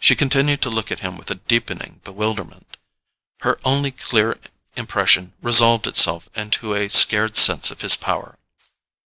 She continued to look at him with a deepening bewilderment: her only clear impression resolved itself into a scared sense of his power.